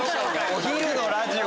お昼のラジオ。